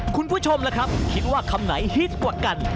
คุณผู้ชมล่ะครับคิดว่าคำไหนฮิตกว่ากัน